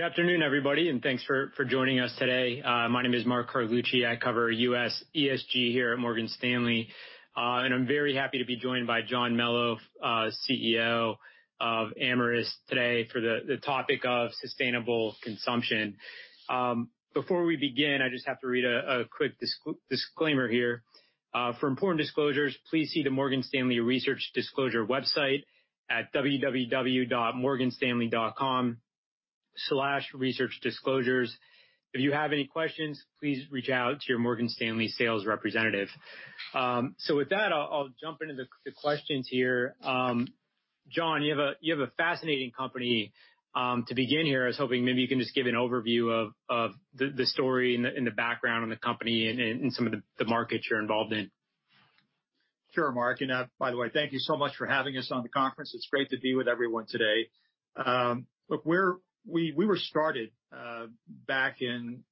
Good afternoon, everybody, and thanks for joining us today. My name is Mark Carlucci. I cover US ESG here at Morgan Stanley, and I'm very happy to be joined by John Melo, CEO of Amyris, today for the topic of sustainable consumption. Before we begin, I just have to read a quick disclaimer here. For important disclosures, please see the Morgan Stanley Research Disclosure website at www.morganstanley.com/researchdisclosures. If you have any questions, please reach out to your Morgan Stanley sales representative. So with that, I'll jump into the questions here. John, you have a fascinating company to begin here. I was hoping maybe you can just give an overview of the story and the background on the company and some of the markets you're involved in. Sure, Mark. And by the way, thank you so much for having us on the conference. It's great to be with everyone today. Look, we were started back in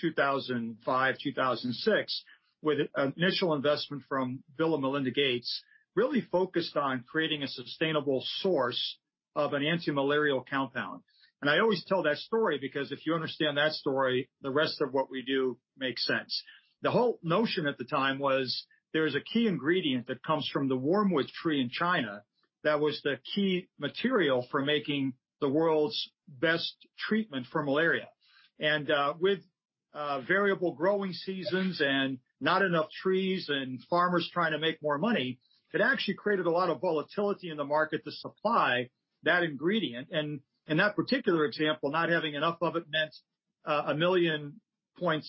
2005, 2006 with an initial investment from Bill and Melinda Gates, really focused on creating a sustainable source of an antimalarial compound. And I always tell that story because if you understand that story, the rest of what we do makes sense. The whole notion at the time was there is a key ingredient that comes from the wormwood tree in China that was the key material for making the world's best treatment for malaria. And with variable growing seasons and not enough trees and farmers trying to make more money, it actually created a lot of volatility in the market to supply that ingredient. And in that particular example, not having enough of it meant a million 0.6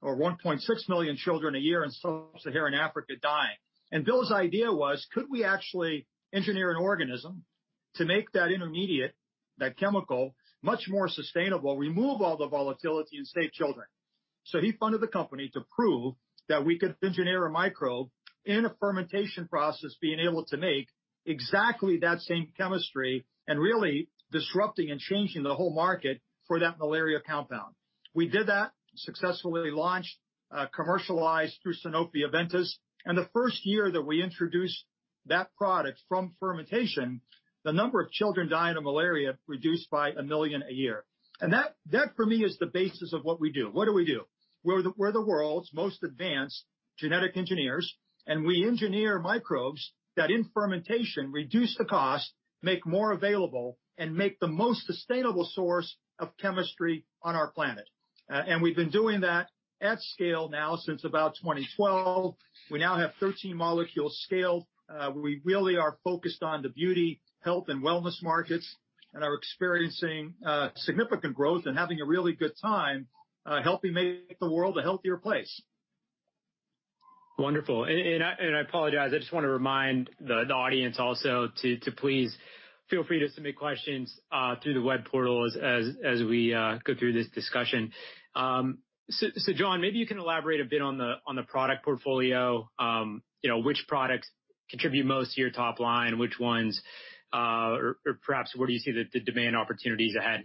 or 1.6 million children a year in Sub-Saharan Africa dying. And Bill's idea was, could we actually engineer an organism to make that intermediate, that chemical, much more sustainable, remove all the volatility, and save children? So he founded the company to prove that we could engineer a microbe in a fermentation process, being able to make exactly that same chemistry and really disrupting and changing the whole market for that malaria compound. We did that, successfully launched, commercialized through Sanofi-Aventis. And the first year that we introduced that product from fermentation, the number of children dying of malaria reduced by a million a year. And that, for me, is the basis of what we do. What do we do? We're the world's most advanced genetic engineers, and we engineer microbes that, in fermentation, reduce the cost, make more available, and make the most sustainable source of chemistry on our planet, and we've been doing that at scale now since about 2012. We now have 13 molecules scaled. We really are focused on the beauty, health, and wellness markets, and are experiencing significant growth and having a really good time helping make the world a healthier place. Wonderful. And I apologize. I just want to remind the audience also to please feel free to submit questions through the web portal as we go through this discussion. So John, maybe you can elaborate a bit on the product portfolio, you know which products contribute most to your top line, which ones, or perhaps where do you see the demand opportunities ahead?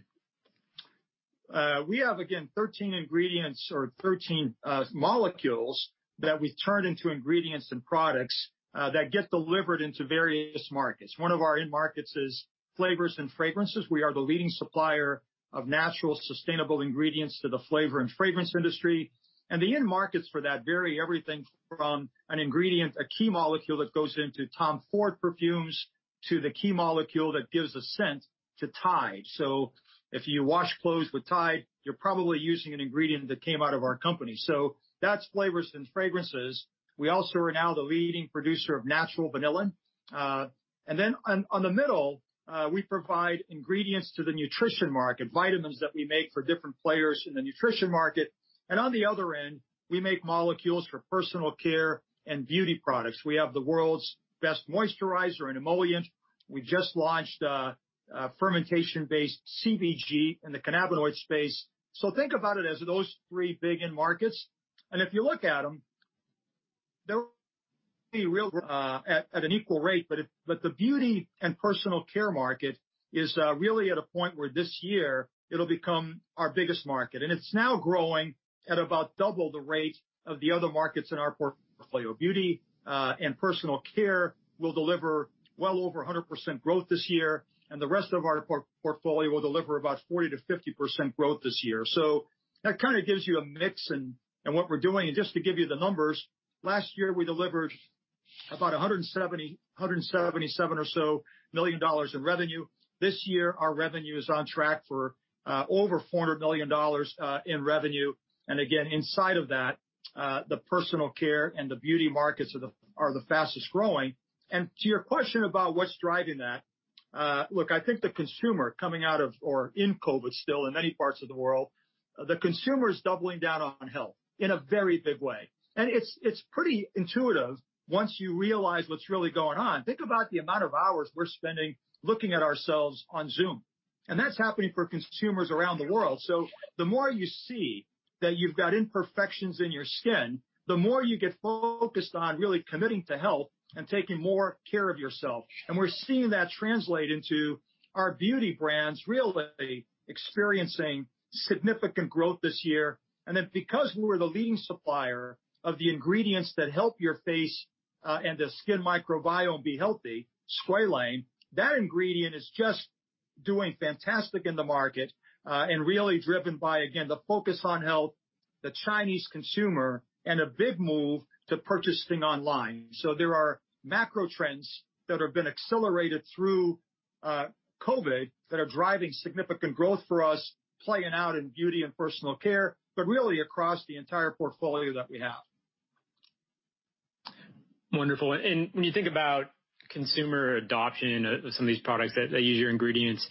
We have, again, 13 ingredients or 13 molecules that we've turned into ingredients and products that get delivered into various markets. One of our end markets is flavors and fragrances. We are the leading supplier of natural sustainable ingredients to the flavor and fragrance industry. And the end markets for that vary everything from an ingredient, a key molecule that goes into Tom Ford perfumes, to the key molecule that gives a scent, to Tide. So if you wash clothes with Tide, you're probably using an ingredient that came out of our company. So that's flavors and fragrances. We also are now the leading producer of natural vanilla. And then on the middle, we provide ingredients to the nutrition market, vitamins that we make for different players in the nutrition market. And on the other end, we make molecules for personal care and beauty products. We have the world's best moisturizer and emollient. We just launched a fermentation-based CBG in the cannabinoid space. So think about it as those three big end markets. And if you look at them, they're really at an equal rate, but the beauty and personal care market is really at a point where this year it'll become our biggest market. And it's now growing at about double the rate of the other markets in our portfolio. Beauty and personal care will deliver well over 100% growth this year, and the rest of our portfolio will deliver about 40%-50% growth this year. So that kind of gives you a mix in what we're doing. And just to give you the numbers, last year we delivered about $177 million or so in revenue. This year our revenue is on track for over $400 million in revenue. And again, inside of that, the personal care and the beauty markets are the fastest growing. And to your question about what's driving that, look, I think the consumer coming out of or in COVID still in many parts of the world, the consumer is doubling down on health in a very big way. And it's pretty intuitive once you realize what's really going on. Think about the amount of hours we're spending looking at ourselves on Zoom. And that's happening for consumers around the world. So the more you see that you've got imperfections in your skin, the more you get focused on really committing to health and taking more care of yourself. And we're seeing that translate into our beauty brands really experiencing significant growth this year. And then, because we were the leading supplier of the ingredients that help your face and the skin microbiome be healthy, Squalane, that ingredient is just doing fantastic in the market, and really driven by, again, the focus on health, the Chinese consumer, and a big move to purchasing online. So, there are macro trends that have been accelerated through COVID that are driving significant growth for us, playing out in beauty and personal care, but really across the entire portfolio that we have. Wonderful. And when you think about consumer adoption of some of these products that use your ingredients,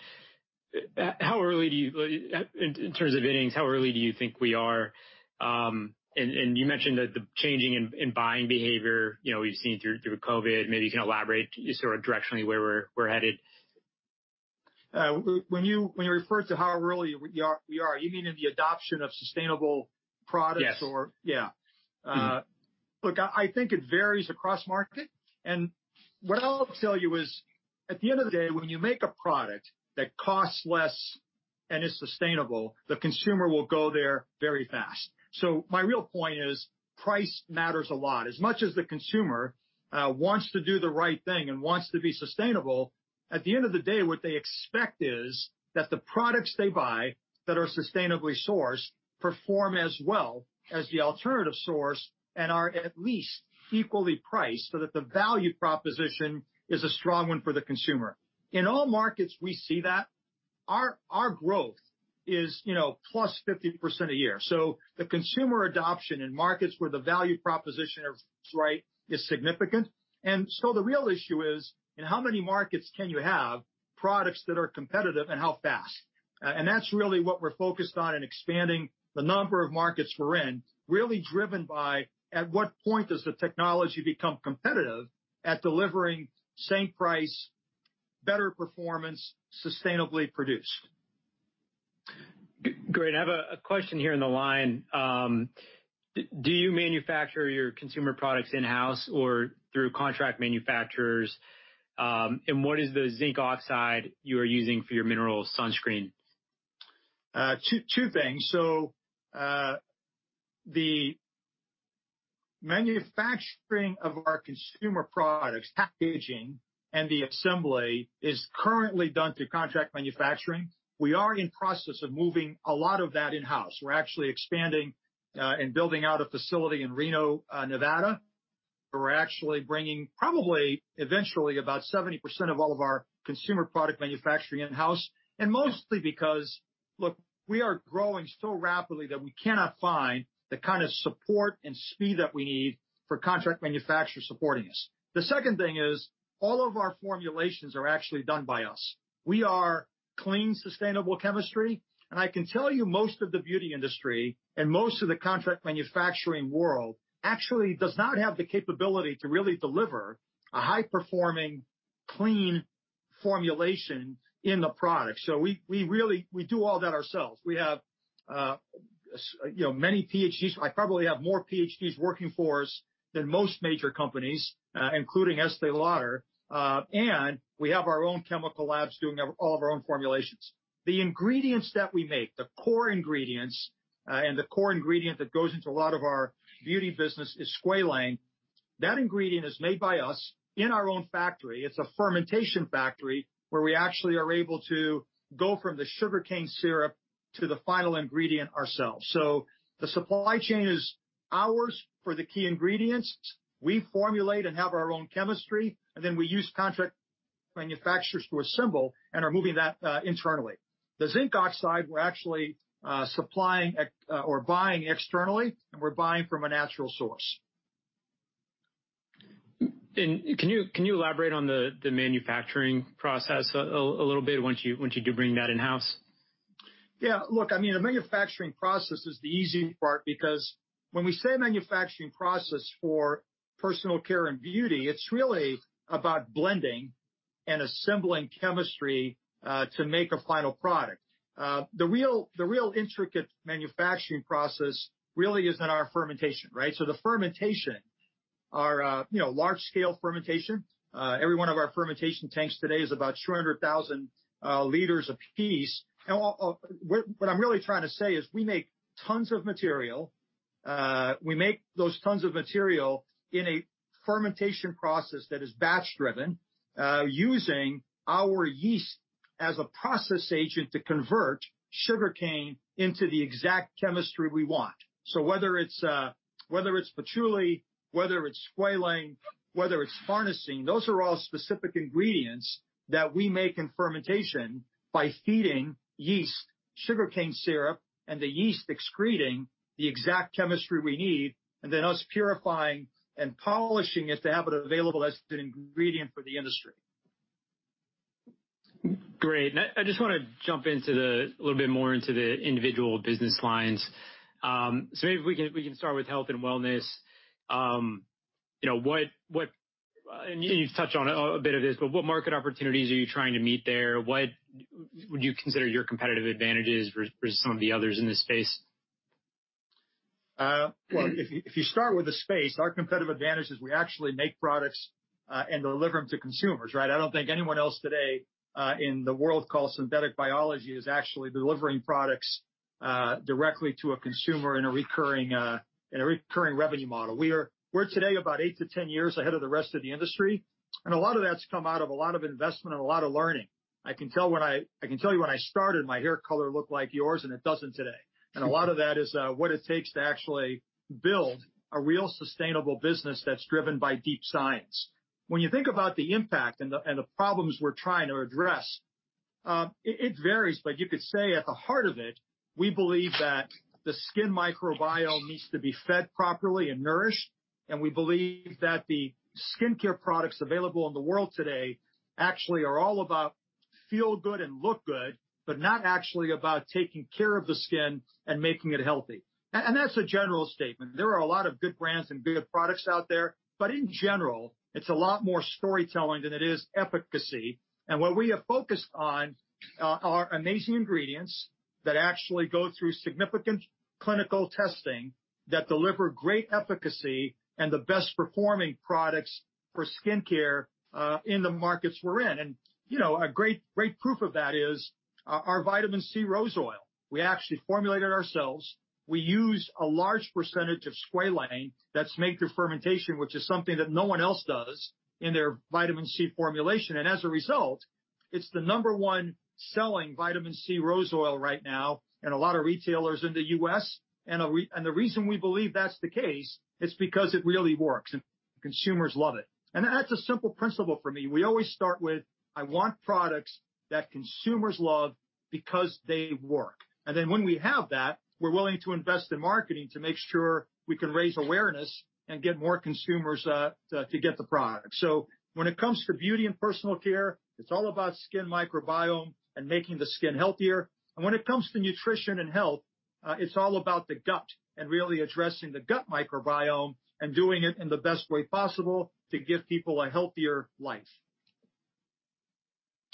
how early do you, in terms of innings, how early do you think we are? And you mentioned that the change in buying behavior you know we've seen through COVID. Maybe you can elaborate you sort of directionally where we're headed? When you refer to how early we are, you mean in the adoption of sustainable products or? Yes. Yeah. Look, I think it varies across market. And what I'll tell you is at the end of the day, when you make a product that costs less and is sustainable, the consumer will go there very fast. So my real point is price matters a lot. As much as the consumer wants to do the right thing and wants to be sustainable, at the end of the day, what they expect is that the products they buy that are sustainably sourced perform as well as the alternative source and are at least equally priced so that the value proposition is a strong one for the consumer. In all markets, we see that. Our growth is you know plus 50% a year. So the consumer adoption in markets where the value proposition is right is significant. And so the real issue is in how many markets can you have products that are competitive and how fast. And that's really what we're focused on in expanding the number of markets we're in, really driven by at what point does the technology become competitive at delivering same price, better performance, sustainably produced. Great. I have a question here in the line. Do you manufacture your consumer products in-house or through contract manufacturers? And what is the zinc oxide you are using for your mineral sunscreen? Two things. So the manufacturing of our consumer products, packaging, and the assembly is currently done through contract manufacturing. We are in the process of moving a lot of that in-house. We're actually expanding and building out a facility in Reno, Nevada. We're actually bringing probably eventually about 70% of all of our consumer product manufacturing in-house. And mostly because, look, we are growing so rapidly that we cannot find the kind of support and speed that we need for contract manufacturers supporting us. The second thing is all of our formulations are actually done by us. We are clean, sustainable chemistry. And I can tell you most of the beauty industry and most of the contract manufacturing world actually does not have the capability to really deliver a high-performing, clean formulation in the product. So we really we do all that ourselves. We have many you know PhDs. I probably have more PhDs working for us than most major companies, including Estée Lauder. And we have our own chemical labs doing all of our own formulations. The ingredients that we make, the core ingredients, and the core ingredient that goes into a lot of our beauty business is Squalane. That ingredient is made by us in our own factory. It's a fermentation factory where we actually are able to go from the sugarcane syrup to the final ingredient ourselves. So the supply chain is ours for the key ingredients. We formulate and have our own chemistry, and then we use contract manufacturers to assemble and are moving that internally. The zinc oxide we're actually supplying or buying externally, and we're buying from a natural source. And can you elaborate on the manufacturing process a little bit once you do bring that in-house? Yeah. Look, I mean, the manufacturing process is the easy part because when we say manufacturing process for personal care and beauty, it's really about blending and assembling chemistry to make a final product. The real intricate manufacturing process really is in our fermentation, right? So the fermentation, our you know large-scale fermentation, every one of our fermentation tanks today is about 200,000 liters apiece. And what I'm really trying to say is we make tons of material. We make those tons of material in a fermentation process that is batch-driven using our yeast as a process agent to convert sugarcane into the exact chemistry we want. So whether it's whether it's Patchouli, whether it's Squalane, whether it's Farnesene, those are all specific ingredients that we make in fermentation by feeding yeast, sugarcane syrup, and the yeast excreting the exact chemistry we need, and then us purifying and polishing it to have it available as an ingredient for the industry. Great. And I just want to jump into a little bit more into the individual business lines. So maybe we can start with health and wellness. You know and you've touched on a bit of this, but what market opportunities are you trying to meet there? What would you consider your competitive advantages versus some of the others in this space? Well, if you start with the space, our competitive advantage is we actually make products and deliver them to consumers, right? I don't think anyone else today in the world of synthetic biology is actually delivering products directly to a consumer in a recurring revenue model. We're today about eight-10 years ahead of the rest of the industry. A lot of that's come out of a lot of investment and a lot of learning. I can tell you when I started, my hair color looked like yours, and it doesn't today. A lot of that is what it takes to actually build a real sustainable business that's driven by deep science. When you think about the impact and the problems we're trying to address, it varies, but you could say at the heart of it, we believe that the skin microbiome needs to be fed properly and nourished. And we believe that the skincare products available in the world today actually are all about feel good and look good, but not actually about taking care of the skin and making it healthy. And that's a general statement. There are a lot of good brands and good products out there, but in general, it's a lot more storytelling than it is efficacy. And what we have focused on are amazing ingredients that actually go through significant clinical testing that deliver great efficacy and the best-performing products for skincare in the markets we're in. And you know a great proof of that is our Vitamin C Rose Oil. We actually formulate it ourselves. We use a large percentage of Squalane that's made through fermentation, which is something that no one else does in their vitamin C formulation. And as a result, it's the number one selling Vitamin C Rose Oil right now in a lot of retailers in the U.S. And the reason we believe that's the case is because it really works, and consumers love it. And that's a simple principle for me. We always start with, "I want products that consumers love because they work." And then when we have that, we're willing to invest in marketing to make sure we can raise awareness and get more consumers to get the product. So when it comes to beauty and personal care, it's all about skin microbiome and making the skin healthier. And when it comes to nutrition and health, it's all about the gut and really addressing the gut microbiome and doing it in the best way possible to give people a healthier life.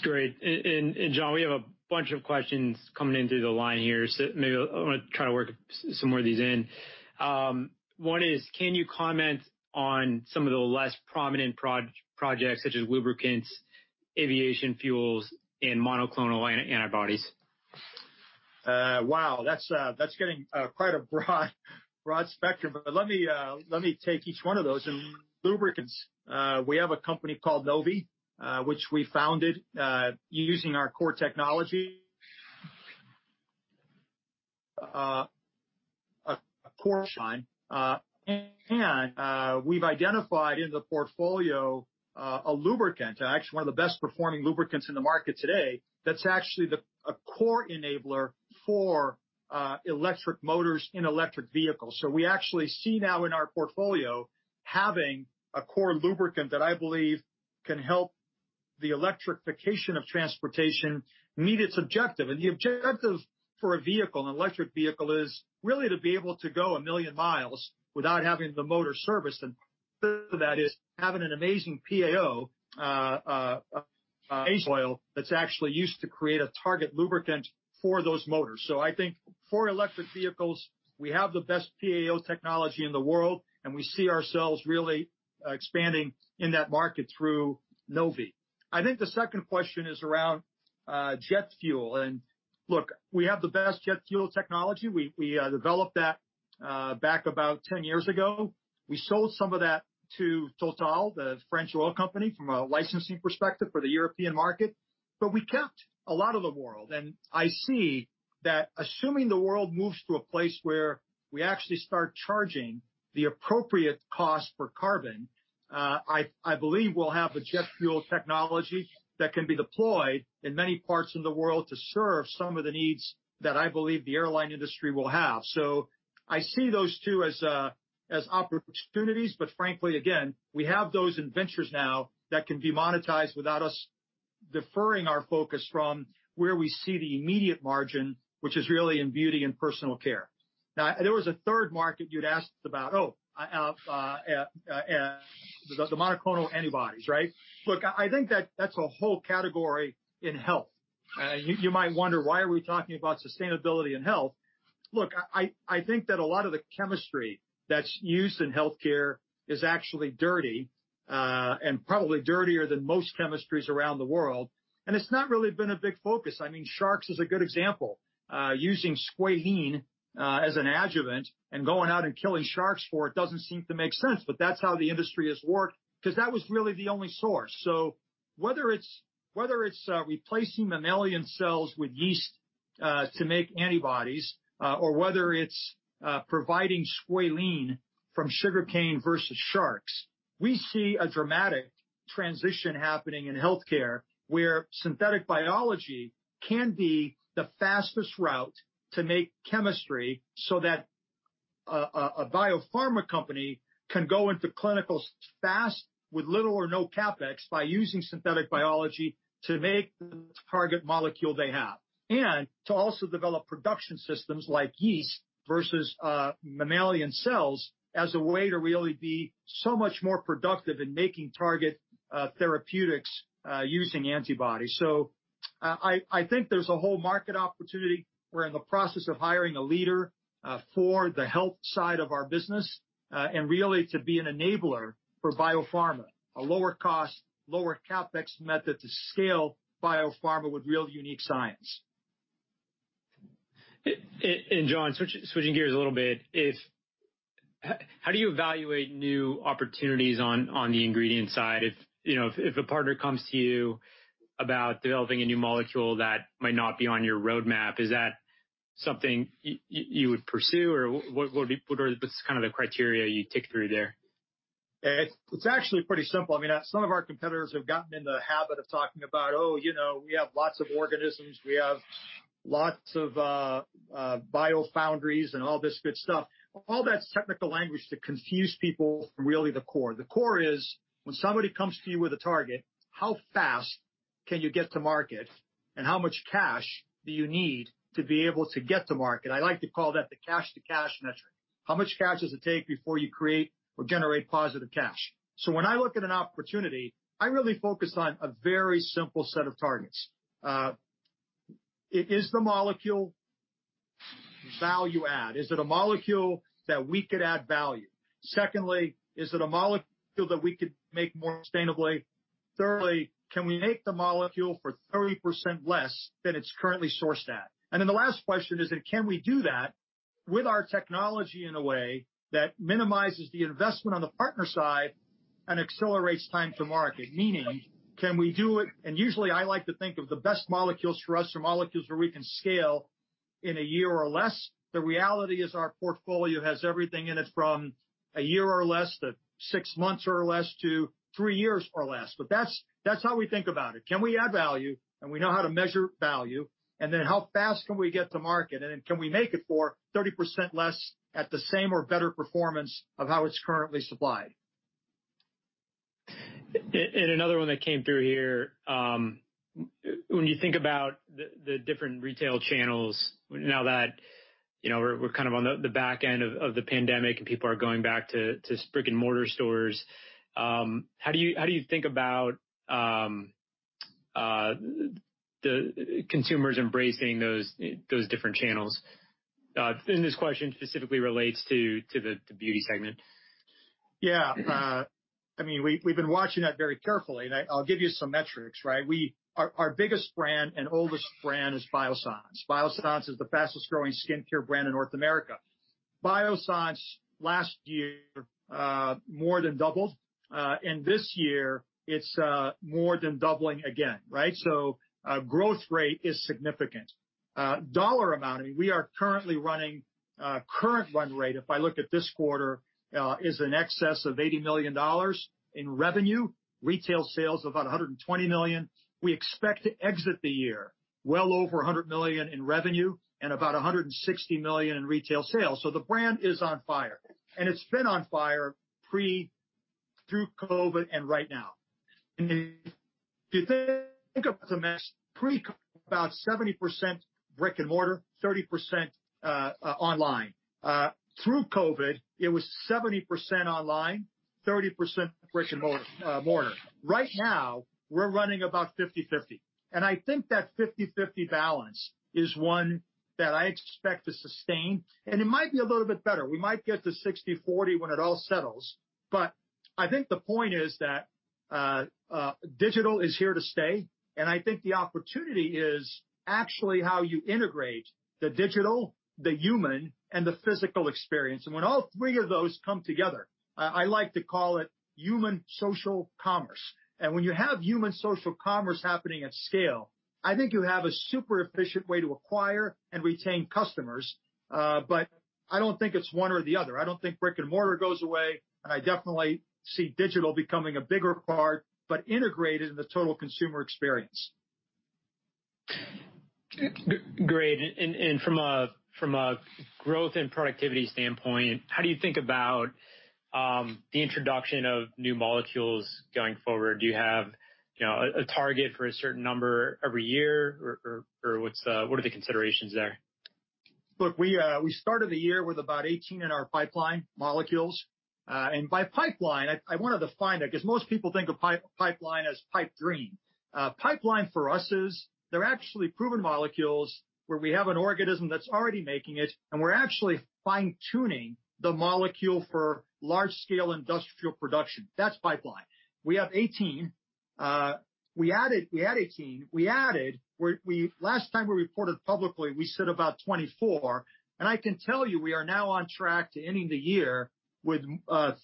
Great. And John, we have a bunch of questions coming in through the line here. Certainly can work some more of these in. One is, can you comment on some of the less prominent projects such as lubricants, aviation fuels, and monoclonal antibodies? Wow, that's getting quite a broad spectrum. But let me take each one of those. And lubricants, we have a company called Novvi, which we founded using our core technology, a core line. And we've identified in the portfolio a lubricant, actually one of the best-performing lubricants in the market today that's actually a core enabler for electric motors in electric vehicles. So we actually see now in our portfolio having a core lubricant that I believe can help the electrification of transportation meet its objective. And the objective for an electric vehicle is really to be able to go a million miles without having the motor serviced. And part of that is having an amazing PAO, a base oil that's actually used to create a target lubricant for those motors. So I think for electric vehicles, we have the best PAO technology in the world, and we see ourselves really expanding in that market through Novvi. I think the second question is around jet fuel. And look, we have the best jet fuel technology. We developed that back about 10 years ago. We sold some of that to Total, the French oil company from a licensing perspective for the European market. But we kept a lot of the world. And I see that assuming the world moves to a place where we actually start charging the appropriate cost for carbon, I believe we'll have a jet fuel technology that can be deployed in many parts of the world to serve some of the needs that I believe the airline industry will have. So I see those two as opportunities. But frankly, again, we have those inventions now that can be monetized without us deferring our focus from where we see the immediate margin, which is really in beauty and personal care. Now, there was a third market you'd asked about, oh, the monoclonal antibodies, right? Look, I think that that's a whole category in health. And you might wonder, why are we talking about sustainability and health? Look, I think that a lot of the chemistry that's used in healthcare is actually dirty and probably dirtier than most chemistries around the world. And it's not really been a big focus. I mean, sharks is a good example. Using Squalene as an adjuvant and going out and killing sharks for it doesn't seem to make sense. But that's how the industry has worked because that was really the only source. So whether it's replacing mammalian cells with yeast to make antibodies or whether it's providing Squalene from sugarcane versus sharks, we see a dramatic transition happening in healthcare where synthetic biology can be the fastest route to make chemistry so that a biopharma company can go into clinicals fast with little or no CapEx by using synthetic biology to make the target molecule they have. And to also develop production systems like yeast versus mammalian cells as a way to really be so much more productive in making target therapeutics using antibodies. So I think there's a whole market opportunity. We're in the process of hiring a leader for the health side of our business and really to be an enabler for biopharma, a lower-cost, lower CapEx method to scale biopharma with real unique science. And John, switching gears a little bit, how do you evaluate new opportunities on the ingredient side? You know if a partner comes to you about developing a new molecule that might not be on your roadmap, is that something you would pursue? Or what's kind of the criteria you tick through there? It's actually pretty simple. I mean, some of our competitors have gotten into the habit of talking about, "Oh, you know we have lots of organisms. We have lots of biofoundries and all this good stuff." All that's technical language to confuse people from really the core. The core is when somebody comes to you with a target, how fast can you get to market? And how much cash do you need to be able to get to market? I like to call that the cash-to-cash metric. How much cash does it take before you create or generate positive cash? So when I look at an opportunity, I really focus on a very simple set of targets. Is the molecule value-add? Is it a molecule that we could add value? Secondly, is it a molecule that we could make more sustainably? Thirdly, can we make the molecule for 30% less than it's currently sourced at? And then the last question is, can we do that with our technology in a way that minimizes the investment on the partner side and accelerates time to market? Meaning, can we do it? And usually, I like to think of the best molecules for us are molecules where we can scale in a year or less. The reality is our portfolio has everything in it from a year or less to six months or less to three years or less. But that's how we think about it. Can we add value? And we know how to measure value. And then how fast can we get to market? And then can we make it for 30% less at the same or better performance of how it's currently supplied? Another one that came through here. When you think about the different retail channels, now that we're kind of on the back end of the pandemic and people are going back to brick-and-mortar stores, how do you think about consumers embracing those different channels? This question specifically relates to the beauty segment. Yeah. I mean, we've been watching that very carefully. And I'll give you some metrics, right? Our biggest brand and oldest brand is Biossance. Biossance is the fastest-growing skincare brand in North America. Biossance, last year, more than doubled. And this year, it's more than doubling again, right? So growth rate is significant. Dollar amount, I mean, we are currently running current run rate, if I look at this quarter, is in excess of $80 million in revenue. Retail sales of about $120 million. We expect to exit the year well over $100 million in revenue and about $160 million in retail sales. So the brand is on fire. And it's been on fire pre, through COVID and right now. And if you think of the mess, pre-COVID, about 70% brick-and-mortar, 30% online. Through COVID, it was 70% online, 30% brick-and-mortar. Right now, we're running about 50/50. And I think that 50/50 balance is one that I expect to sustain. And it might be a little bit better. We might get to 60/40 when it all settles. But I think the point is that digital is here to stay. And I think the opportunity is actually how you integrate the digital, the human, and the physical experience. And when all three of those come together, I like to call it human-social commerce. And when you have human-social commerce happening at scale, I think you have a super efficient way to acquire and retain customers. But I don't think it's one or the other. I don't think brick-and-mortar goes away. And I definitely see digital becoming a bigger part, but integrated in the total consumer experience. Great. And from a growth and productivity standpoint, how do you think about the introduction of new molecules going forward? Do you have you know a target for a certain number every year? Or what are the considerations there? Look, we started the year with about 18 in our pipeline molecules. By pipeline, I want to define that because most people think of pipeline as pipe dream. Pipeline for us is they're actually proven molecules where we have an organism that's already making it, and we're actually fine-tuning the molecule for large-scale industrial production. That's pipeline. We have 18. We add 18. We added. Last time we reported publicly, we said about 24. I can tell you we are now on track to ending the year with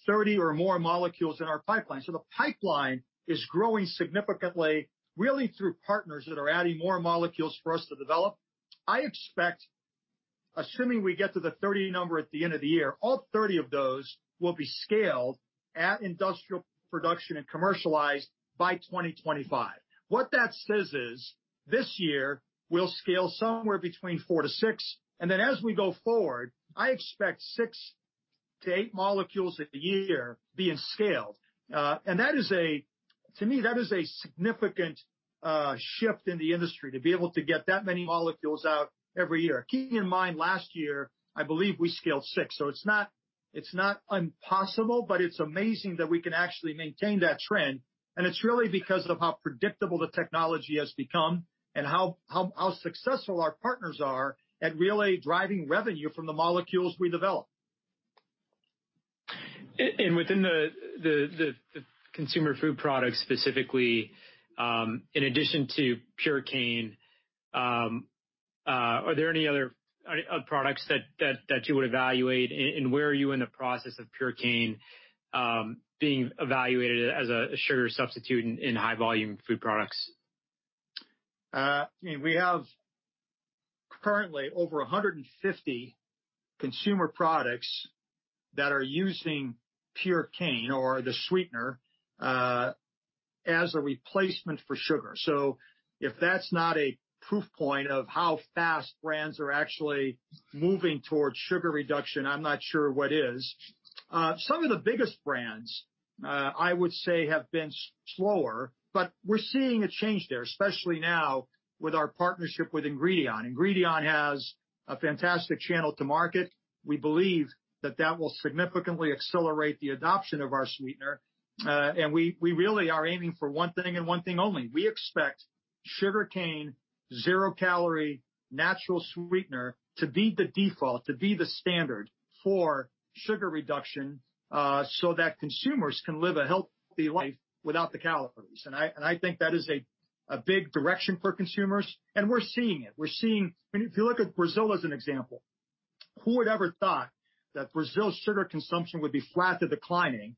30 or more molecules in our pipeline. The pipeline is growing significantly, really through partners that are adding more molecules for us to develop. I expect, assuming we get to the 30 number at the end of the year, all 30 of those will be scaled at industrial production and commercialized by 2025. What that says is this year, we'll scale somewhere between four to six, and then as we go forward, I expect six to eight molecules a year being scaled, and that is a, to me, that is a significant shift in the industry to be able to get that many molecules out every year. Keep in mind, last year, I believe we scaled six, so it's not impossible, but it's amazing that we can actually maintain that trend, and it's really because of how predictable the technology has become and how successful our partners are at really driving revenue from the molecules we develop. And within the consumer food products specifically, in addition to Purecane, are there any other products that you would evaluate? Where are you in the process of Purecane being evaluated as a sugar substitute in high-volume food products? I mean, we have currently over 150 consumer products that are using Purecane or the sweetener as a replacement for sugar, so if that's not a proof point of how fast brands are actually moving towards sugar reduction, I'm not sure what is. Some of the biggest brands, I would say, have been slower, but we're seeing a change there, especially now with our partnership with Ingredion. Ingredion has a fantastic channel to market. We believe that that will significantly accelerate the adoption of our sweetener, and we really are aiming for one thing and one thing only, we expect sugarcane, zero-calorie natural sweetener to be the default, to be the standard for sugar reduction so that consumers can live a healthy life without the calories, and I think that is a big direction for consumers, and we're seeing it. If you look at Brazil as an example, who would ever thought that Brazil's sugar consumption would be flat to declining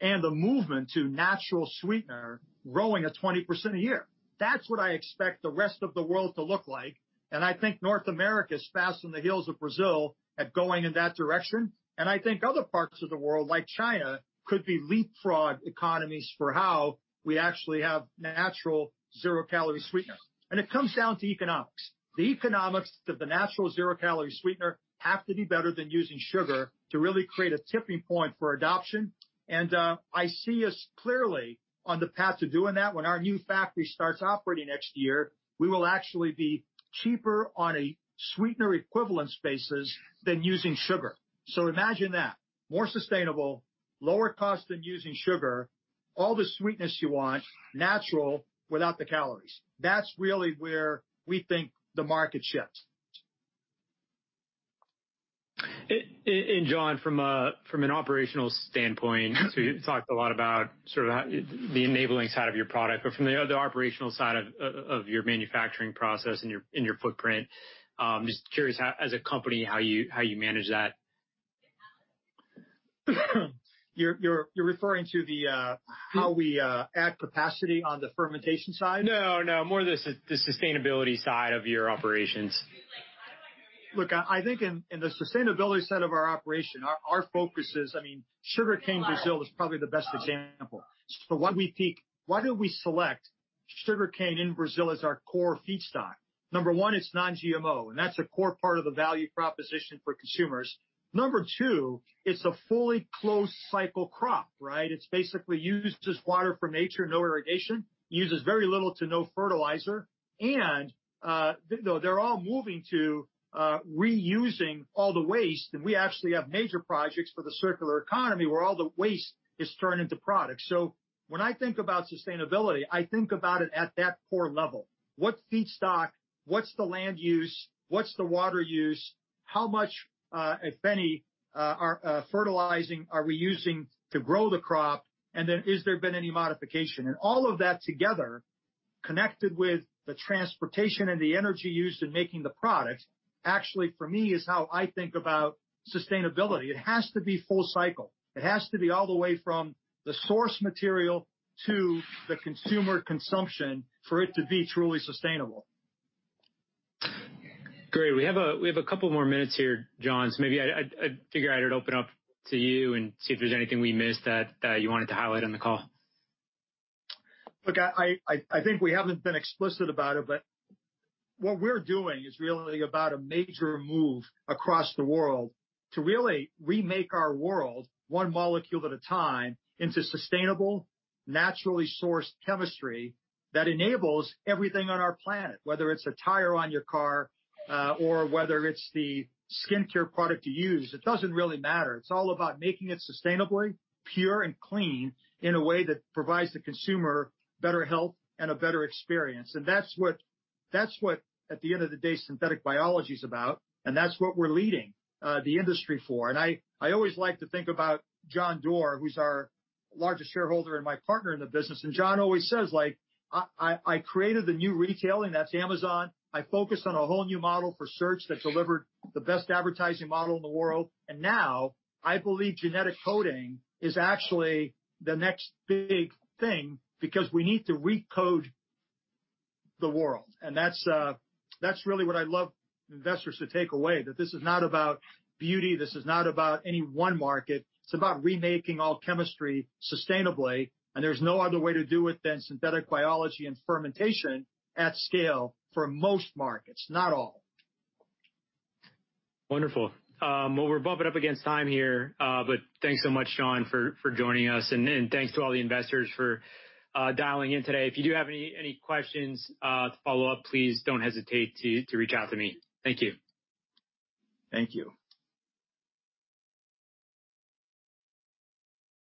and the movement to natural sweetener growing at 20% a year? That's what I expect the rest of the world to look like, and I think North America is fast on the heels of Brazil at going in that direction, and I think other parts of the world, like China, could be leapfrog economies for how we actually have natural zero-calorie sweeteners, and it comes down to economics. The economics of the natural zero-calorie sweetener have to be better than using sugar to really create a tipping point for adoption, and I see us clearly on the path to doing that. When our new factory starts operating next year, we will actually be cheaper on a sweetener equivalence basis than using sugar, so imagine that. More sustainable, lower cost than using sugar, all the sweetness you want, natural without the calories. That's really where we think the market shifts. And John, from an operational standpoint, you talked a lot about sort of the enabling side of your product. From the operational side of your manufacturing process and your footprint, just curious as a company, how do you manage that? You're referring to how we add capacity on the fermentation side? No, no. More the sustainability side of your operations. Look, I think in the sustainability side of our operation, our focus is. I mean, sugarcane Brazil is probably the best example, so why do we select sugarcane in Brazil as our core feedstock? Number one, it's non-GMO, and that's a core part of the value proposition for consumers. Number two, it's a fully closed-cycle crop, right? It basically uses water from nature, no irrigation, uses very little to no fertilizer, and they're all moving to reusing all the waste, and we actually have major projects for the circular economy where all the waste is turned into products. So when I think about sustainability, I think about it at that core level. What feedstock? What's the land use? What's the water use? How much, if any, fertilizing are we using to grow the crop, and then has there been any modification? And all of that together, connected with the transportation and the energy used in making the product, actually, for me, is how I think about sustainability. It has to be full cycle. It has to be all the way from the source material to the consumer consumption for it to be truly sustainable. Great. We have a couple more minutes here, John. So maybe I'd figure I'd open up to you and see if there's anything we missed that you wanted to highlight on the call. Look, I think we haven't been explicit about it. But what we're doing is really about a major move across the world to really remake our world one molecule at a time into sustainable, naturally sourced chemistry that enables everything on our planet, whether it's a tire on your car or whether it's the skincare product you use. It doesn't really matter. It's all about making it sustainably, pure, and clean in a way that provides the consumer better health and a better experience. And that's what, that's what at the end of the day, synthetic biology is about. And that's what we're leading the industry for. And I always like to think about John Doerr, who's our largest shareholder and my partner in the business. And John always says, "I created the new retailing. That's Amazon. I focused on a whole new model for search that delivered the best advertising model in the world. "And now I believe genetic coding is actually the next big thing because we need to recode the world," and that's really what I love investors to take away, that this is not about beauty. This is not about any one market. It's about remaking all chemistry sustainably, and there's no other way to do it than synthetic biology and fermentation at scale for most markets, not all. Wonderful. We're bumping up against time here. But thanks so much, John, for joining us. And thanks to all the investors for dialing in today. If you do have any questions to follow up, please don't hesitate to reach out to me. Thank you. Thank you.